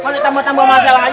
kalau ditambah tambah masalah aja